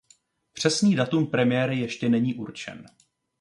Přesný datum premiéry ještě není určen.